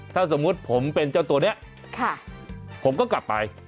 ถ้าสมมุติผมเป็นเจ้าตัวนี้ผมก็กลับไป